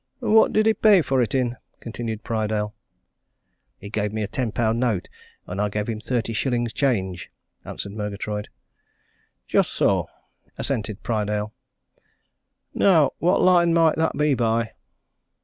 "What did he pay for it in?" continued Prydale. "He gave me a ten pound note and I gave him thirty shillings change," answered Murgatroyd. "Just so," assented Prydale. "Now what line might that be by?"